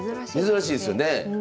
珍しいですよね。